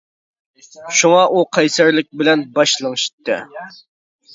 شۇڭا ئۇ قەيسەرلىك بىلەن باش لىڭشىتتى.